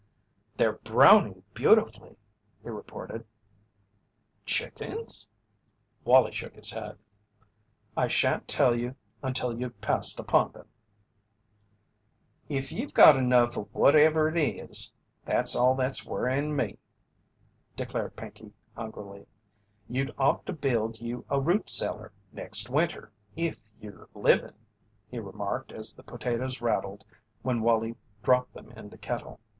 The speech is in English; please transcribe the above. "They're browning beautifully!" he reported. "Chickens?" Wallie shook his head: "I shan't tell you until you've passed upon them." "If you've got enough of whatever it is that's all that's worryin' me," declared Pinkey, hungrily. "You'd ought to build you a root cellar next winter if you're livin'," he remarked as the potatoes rattled when Wallie dropped them in the kettle.